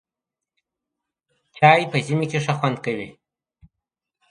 چای په ژمي کې ښه خوند کوي.